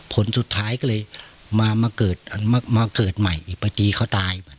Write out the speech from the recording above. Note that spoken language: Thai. ผลสุดท้ายก็เลยมาเกิดใหม่อีประตีเขาตาย